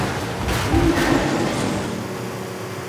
Midnight Madness